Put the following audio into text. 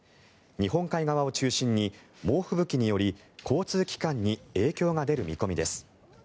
日本海側を中心に猛吹雪により交通機関に影響が出る見込みです。